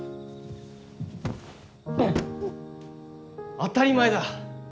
当たり前だ！